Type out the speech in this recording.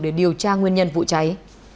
để điều tra nguyên nhân vụ cháy